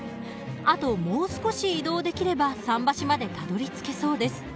あともう少し移動できれば桟橋までたどりつけそうです。